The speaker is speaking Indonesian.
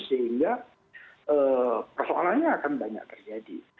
sehingga persoalannya akan banyak terjadi